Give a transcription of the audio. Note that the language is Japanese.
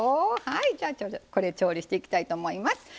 じゃあこれ調理していきたいと思います。